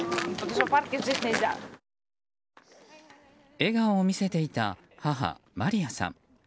笑顔を見せていた母マリヤさん。